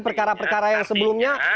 perkara perkara yang sebelumnya